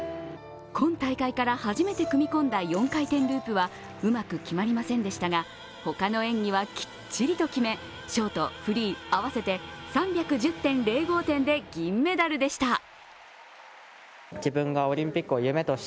今大会から初めて組み込んだ４回転ループはうまく決まりませんでしたが、ほかの演技はきっちり決め、ショート、フリー、合わせて３１０．０５点で銀メダルでした。